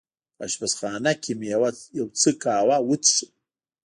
په اشپزخانه کې مې یو څه قهوه وڅېښل.